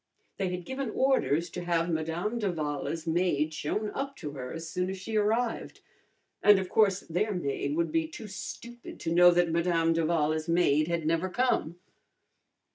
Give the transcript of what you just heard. They had given orders to have Madame d'Avala's maid shown up to her as soon as she arrived, and of course their maid would be too stupid to know that Madame d'Avala's maid had never come.